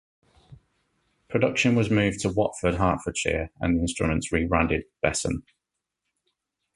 Production was moved to Watford, Hertfordshire, and the instruments rebranded Besson.